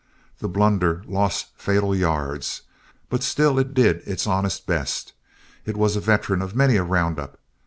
That blunder lost fatal yards, but still it did its honest best. It was a veteran of many a round up.